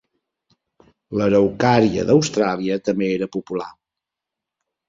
L'araucària d'Austràlia també era popular.